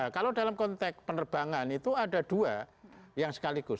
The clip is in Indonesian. kalau dalam konteks penerbangan itu ada dua yang sekaligus